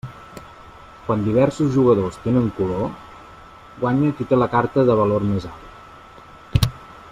Quan diversos jugadors tenen color, guanya qui té la carta de valor més alt.